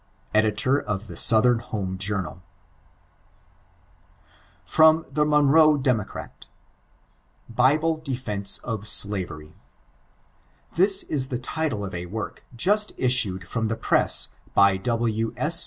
Ed. of the Southern Home Journal [FROM "THE MONROE DEMOCRAT."] BiBLK Defknce or Slavirt.— This is the title of a work Just issued from the press, by W. S.